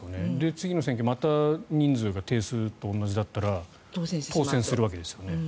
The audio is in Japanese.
次の選挙また人数が定数と同じだったら当選するわけですよね。